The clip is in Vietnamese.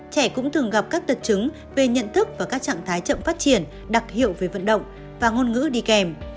trẻ cũng thường gặp các tật chứng về nhận thức và các trạng thái chậm phát triển đặc hiệu về vận động và ngôn ngữ đi kèm